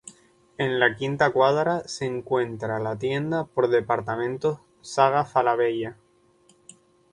En la quinta cuadra se encuentra la tienda por departamentos Saga Falabella.